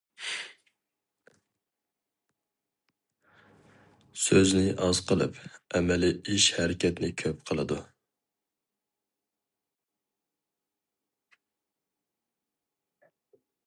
سۆزنى ئاز قىلىپ، ئەمەلىي ئىش- ھەرىكەتنى كۆپ قىلىدۇ.